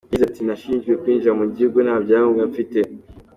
Yagize ati “Nashinjwe kwinjira mu gihugu nta byangombwa mfite.